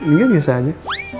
engga biasa aja